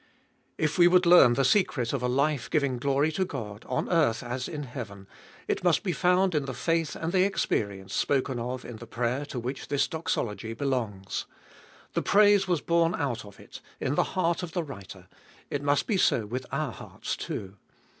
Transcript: If we would learn the secret of a life giving glory to God, on earth as in heaven, it must be found in the faith and the expe rience spoken of in the prayer to which this doxology belongs. The praise was born out of it, in the heart of the writer ; it must be so with our hearts too.